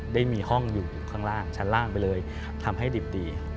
ได้มีห้องอยู่ชั้นล่างไปเลยทำให้ดี